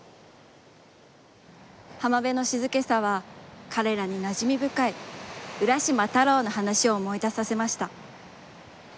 浜辺の静けさは、彼らに、なじみぶかい浦島太郎の話を思い出させました。